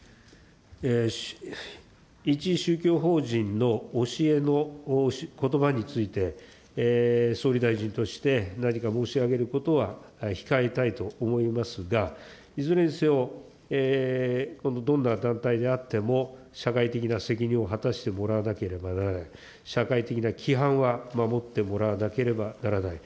一宗教法人の教えのことばについて、総理大臣として何か申し上げることは控えたいと思いますが、いずれにせよ、どんな団体であっても、社会的な責任を果たしてもらわなければならない、社会的な規範は守ってもらわなければならない。